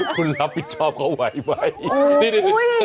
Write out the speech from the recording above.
คุณรับผิดชอบเขาไหวไหม